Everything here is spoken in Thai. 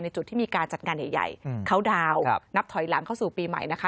จุดที่มีการจัดงานใหญ่เขาดาวน์นับถอยหลังเข้าสู่ปีใหม่นะคะ